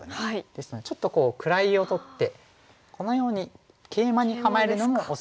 ですのでちょっと位を取ってこのようにケイマに構えるのもおすすめです。